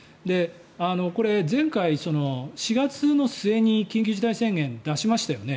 前回、４月の末に緊急事態宣言を出しましたよね。